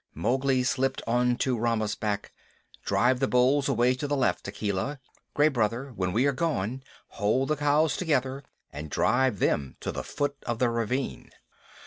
Mowgli slipped on to Rama's back. "Drive the bulls away to the left, Akela. Gray Brother, when we are gone, hold the cows together, and drive them into the foot of the ravine."